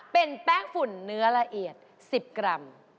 เป็นแป้งฝุ่นเนื้อละเอียด๑๐กรัม